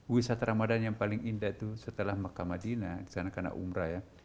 wisata ramadan yang paling indah itu setelah mekah madinah sana karena umrah ya